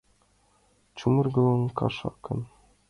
Чумыргылын кашакын